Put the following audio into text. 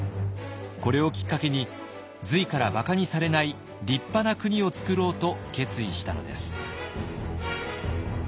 これをきっかけに隋からばかにされない立派な国をつくろうと決意したのです。